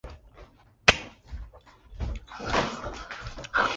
Religious identity plays a role in the country's political divisions.